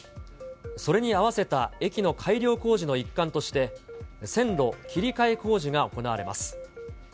それに併せた駅の改良工事の一環として、線路切り替え工事が行われます。